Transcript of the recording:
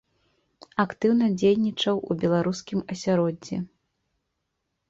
Актыўна дзейнічаў у беларускім асяроддзі.